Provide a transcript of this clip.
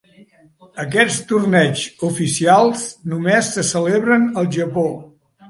Aquests torneigs oficials només se celebren al Japó.